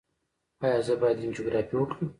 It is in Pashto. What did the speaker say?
ایا زه باید انجیوګرافي وکړم؟